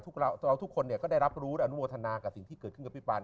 เราทุกคนก็ได้รับรู้อนุโมทนากับสิ่งที่เกิดขึ้นกับพี่ปาน